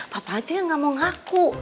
apa aja yang gak mau ngaku